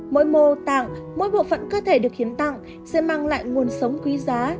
mỗi mô tạng mỗi bộ phận cơ thể được hiến tặng sẽ mang lại nguồn sống quý giá